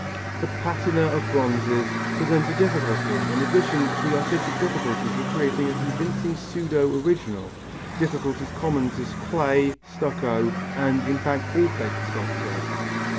The patina of bronzes presents a difficulty in addition to the artistic difficulties of creating a convincing pseudo original, difficulties common to clay, stucco, and, in fact, all faked sculpture.